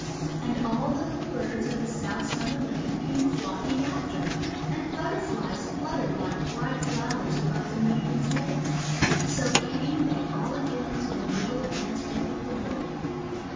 And all the little birds of the South Summer Land came flocking after, and Butterflies fluttered like bright flowers above the Maidens' heads. So came they all again to the Middle Ant Hill of the World.